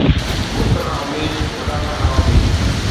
بت کان اميد، خدا کان نااميد